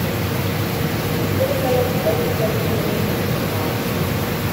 ukuri ndababwira yuko ari jye rembo ry intama